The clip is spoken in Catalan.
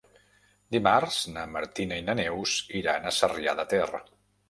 Dimarts na Martina i na Neus iran a Sarrià de Ter.